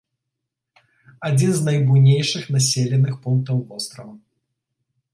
Адзін з найбуйнейшых населеных пунктаў вострава.